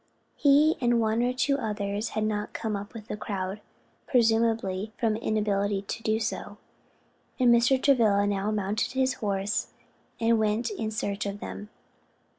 He and one or two others had not come up with the crowd, presumably from inability to do so, and Mr. Travilla now mounted his horse and went in search of them.